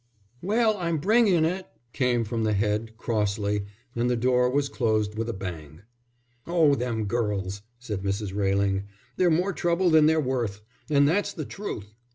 "Well, I'm bringing it," came from the head, crossly, and the door was closed with a bang. "Oh, them girls!" said Mrs. Railing. "They're more trouble than they're worth, and that's the truth.